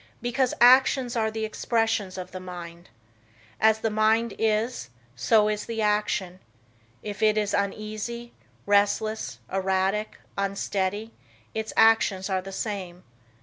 Because actions are the expressions of the mind. As the mind is, so is the action. If it is uneasy, restless, erratic, unsteady, its actions are the same.